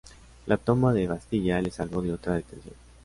La toma de la Bastilla le salvó de otra detención.